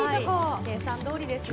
計算どおりですね。